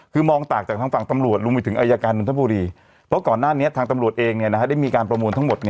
คือมองต่างจากทางฝั่งตำรวจรวมไปถึงอายการนทบุรีเพราะก่อนหน้านี้ทางตำรวจเองได้มีการประมูลทั้งหมด